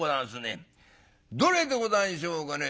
どれでござんしょうかね』